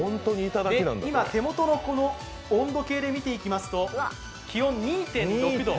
今、手元の温度計で見ていきますと気温２．６度。